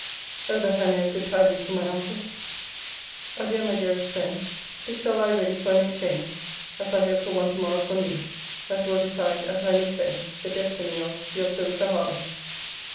O that I may have good tidings from my uncle! Adieu, my dearest friend This shall lie ready for an exchange (as I hope for one to morrow from you) that will decide, as I may say, the destiny of Your CLARISSA HARLOWE.